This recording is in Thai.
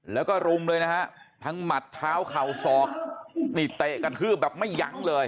แล้วก็รุมเลยนะฮะทั้งหมัดเท้าเข่าศอกนี่เตะกระทืบแบบไม่ยั้งเลย